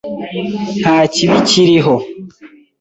Nta kibi kiriho.